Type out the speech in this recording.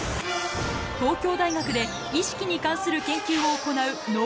東京大学で意識に関する研究を行う脳